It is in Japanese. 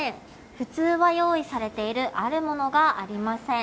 普通は用意されているあるものがありません。